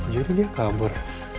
jadi dia kabur